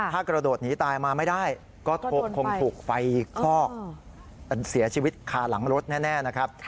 ถ้ากระโดดหนีตายมาไม่ได้ก็คงถูกไฟคลอกเสียชีวิตคาหลังรถแน่นะครับ